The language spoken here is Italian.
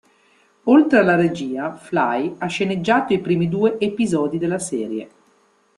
Oltre alla regia, Fly ha sceneggiato i primi due episodi della serie.